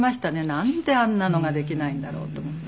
なんであんなのができないんだろう？と思って。